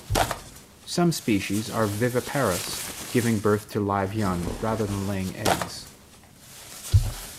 Some species are viviparous, giving birth to live young, rather than laying eggs.